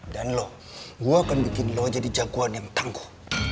dan lo gue akan bikin lo jadi jagoan yang tangguh